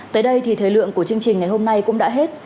tới đây thì thời lượng của chương trình ngày hôm nay cũng đã hết